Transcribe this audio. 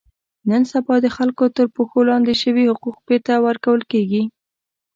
نن سبا د خلکو تر پښو لاندې شوي حقوق بېرته ور کول کېږي.